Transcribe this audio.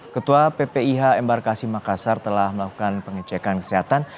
ketua ppih embarkasi makassar telah melakukan pengecekan kesehatan